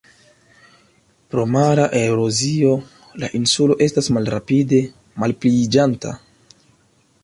Pro mara erozio, la insulo estas malrapide malpliiĝanta.